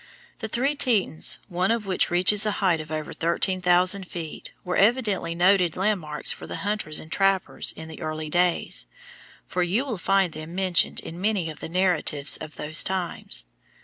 The Three Tetons, one of which reaches a height of over thirteen thousand feet, were evidently noted landmarks for the hunters and trappers in the early days, for you will find them mentioned in many of the narratives of those times.